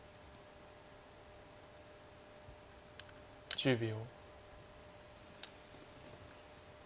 １０秒。